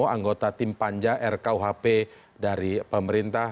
anggota tim panjang rkuhp dari pemerintah